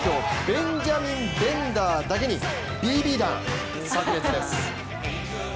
ベンジャミン・ベンダーだけにＢＢ弾さく裂です。